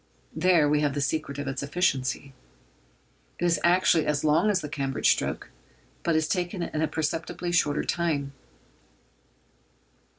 There we have the secret of its efficiency. It is actually as long as the Cambridge stroke, but is taken in a perceptibly shorter time.